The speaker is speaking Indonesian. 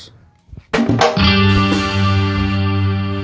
soal kang bahar